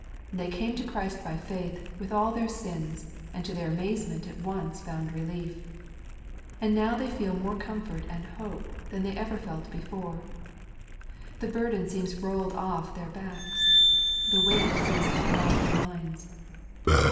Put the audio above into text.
They came to Christ by faith, with all their sins, and to theii amazement at once found relief. And now they feel more comfort and hope than they ever felt before. The burden seems rolled off their backs. The weight seems taken off their minds.